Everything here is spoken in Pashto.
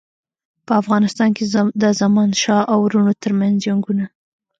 په افغانستان کې د زمانشاه او وروڼو ترمنځ جنګونه.